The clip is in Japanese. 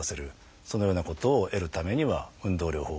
そのようなことを得るためには運動療法が必要です。